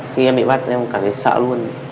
khi em bị bắt em cảm thấy sợ luôn